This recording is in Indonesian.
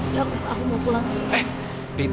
udah aku mau pulang sih